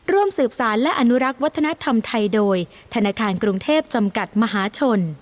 ร่วมสืบสารและอนุรักษ์วัฒนธรรมไทยโดยธนาคารกรุงเทพจำกัดมหาชน